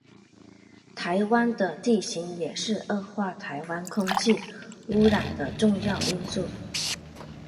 台湾的地形也是恶化台湾空气污染的重要因素。